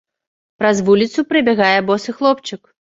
Праз вуліцу прабягае босы хлопчык.